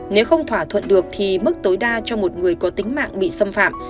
nếu không thỏa thuận được thì mức tối đa cho một người có tính mạng bị xâm phạm